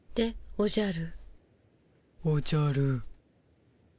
おじゃる。